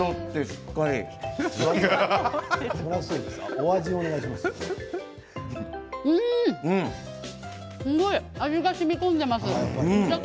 すごい味がしみこんでいます。